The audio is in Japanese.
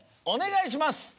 お願いします。